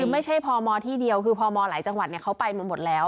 ไม่ใช่พมที่เดียวคือพมหลายจังหวัดเขาไปมาหมดแล้ว